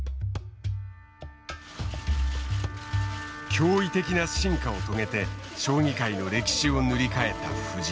驚異的な進化を遂げて将棋界の歴史を塗り替えた藤井。